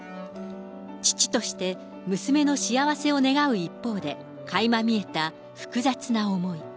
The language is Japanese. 父として、娘の幸せを願う一方で、かいま見えた複雑な思い。